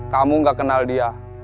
kamu gak kenal dia